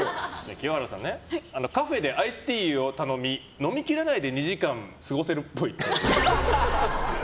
清原さんはカフェでアイスティーを頼み飲み切らないで２時間過ごせるっぽい。